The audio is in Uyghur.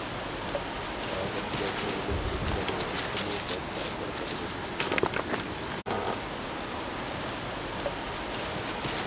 ئادەمگە تۇغۇلۇپ ئۆسكەن مۇھىتىمۇ بەك تەسىر قىلىدۇ.